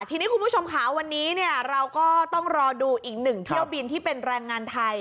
ทีนี้คุณผู้ชมค่ะวันนี้เราก็ต้องรอดูอีกหนึ่งเที่ยวบินที่เป็นแรงงานไทย